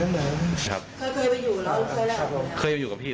แล้วลูกชายผมแม่มีคนอยู่ในห้อง